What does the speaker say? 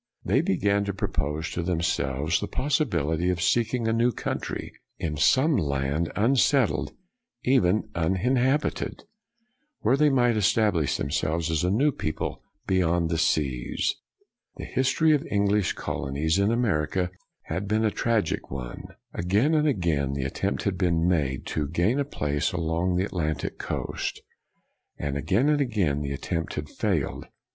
'' They began to propose to themselves the possibility of seeking a new country, in some land unsettled, even uninhabited, where they might establish themselves as a new people, beyond the seas. The history of the English colonies in America had been a tragic one. Again and again, the attempt had been made to gain a place along the Atlantic coast; and again and again the attempt had failed.